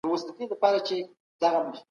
کوربه هیواد کډوالو ته ویزې نه بندوي.